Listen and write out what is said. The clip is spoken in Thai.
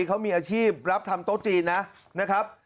เขามีอาชีพรับทำโต๊ะจีนนะครับ